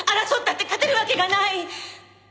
争ったって勝てるわけがない。